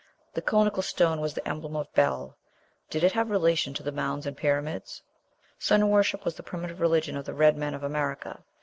The conical stone was the emblem of Bel. Did it have relation to the mounds and pyramids? Sun worship was the primitive religion of the red men of America.